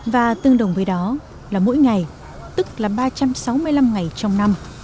và tương đồng với đó là mỗi ngày tức là ba trăm sáu mươi năm ngày trong năm